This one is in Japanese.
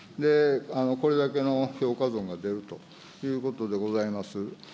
これだけの評価損が出るということでございます。